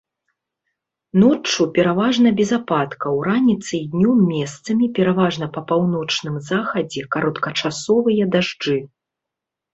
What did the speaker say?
Ноччу пераважна без ападкаў, раніцай і днём месцамі, пераважна па паўночным захадзе кароткачасовыя дажджы.